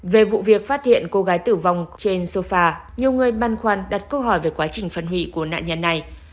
về vụ việc phát hiện cô gái tử vong trên sofa nhiều người băn khoăn đặt câu hỏi về quá trình phân hủy của nạn nhân này